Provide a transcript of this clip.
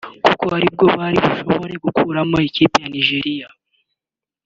kuko ari bwo bari bushobora gukuramo ikipe ya Nigeria